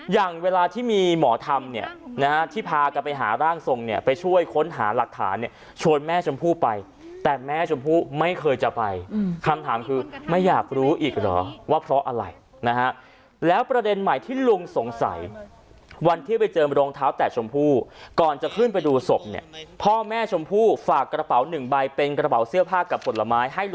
อย่างเวลาที่มีหมอทำเนี่ยนะฮะที่พากันไปหาร่างทรงเนี่ยไปช่วยค้นหาหลักฐานเนี่ยชวนแม่ชมพู่ไปแต่แม่ชมพู่ไม่เคยจะไปคำถามคือไม่อยากรู้อีกเหรอว่าเพราะอะไรนะฮะแล้วประเด็นใหม่ที่ลุงสงสัยวันที่ไปเจอรองเท้าแตะชมพู่ก่อนจะขึ้นไปดูศพเนี่ยพ่อแม่ชมพู่ฝากกระเป๋าหนึ่งใบเป็นกระเป๋าเสื้อผ้ากับผลไม้ให้